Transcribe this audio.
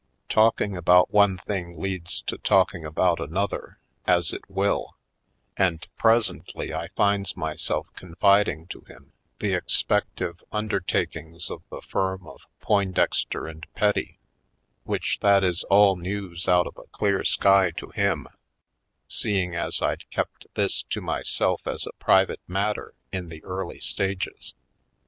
Talking about one thing leads to talking about another, as it v/ill, and presently I finds myself confiding to him the expective undertakings of the firm of Poindexter & Petty, which that is all news out of a clear sky to him, seeing as I'd kept this to myself as a private matter in the early stages.